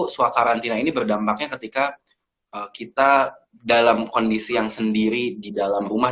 suakarantina ini berdampaknya ketika kita dalam kondisi yang sendiri di dalam rumah